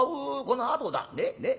このあとだね？ね？